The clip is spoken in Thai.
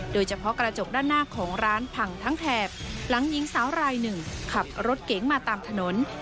โดยเฉพาะกระจกด้านหน้าของร้านพังทั้งแถบหลังหญิงสาวรายหนึ่งขับรถเก๋งมาตามถนน